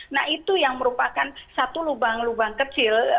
nah itu yang merupakan satu lubang lubang kecil